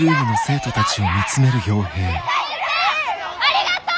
ありがとう！